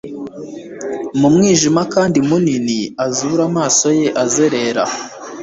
Mumwijima kandi munini azure amaso ye azerera